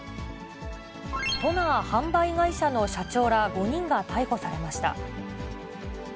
トナー販売会社の社長ら５人が逮捕されました。